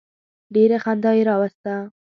ډېره خندا یې راوسته.